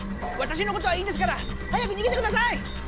わたしのことはいいですから早くにげてください！